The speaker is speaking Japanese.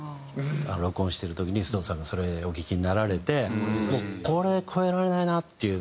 録音してる時に須藤さんがそれお聴きになられてもうこれを超えられないなっていうね